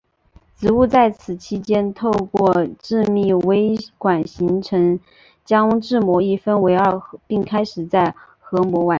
植物在此期间透过致密微管形成将质膜一分为二并开始在核膜外。